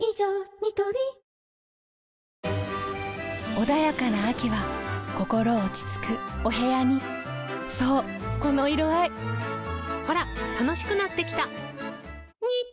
ニトリ穏やかな秋は心落ち着くお部屋にそうこの色合いほら楽しくなってきた！